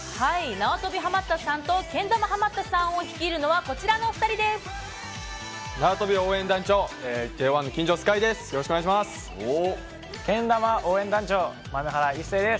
なわとびハマったさんとけん玉ハマったさんを率いるのは、こちらのお二人です。